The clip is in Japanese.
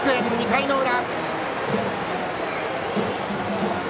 ２回の裏。